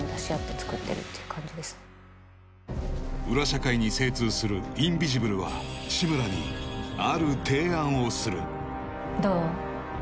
社会に精通するインビジブルは志村にある提案をするどう？